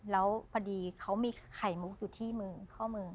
แล้วพอดีเขามีไข่มุกอยู่ที่มือข้อมือ